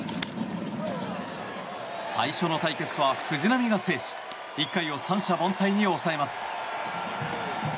最初の対決は藤浪が制し１回を三者凡退に抑えます。